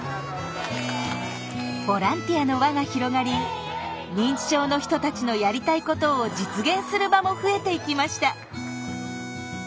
ボランティアの輪が広がり認知症の人たちのやりたいことを実現する場も増えていきました。